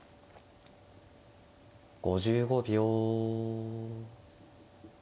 ５５秒。